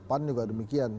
pan juga demikian